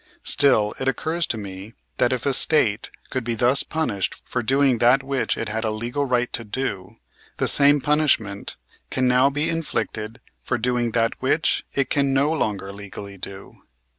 Still, it occurs to me that if a State could be thus punished for doing that which it had a legal right to do, the same punishment can now be inflicted for doing that which it can no longer legally do.